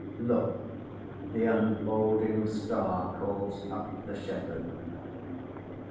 Look, the unfolding star calls up the shepherd.